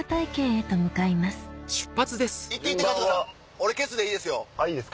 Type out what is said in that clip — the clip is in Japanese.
俺ケツでいいですよ。